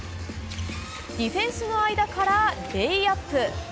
ディフェンスの間からレイアップ。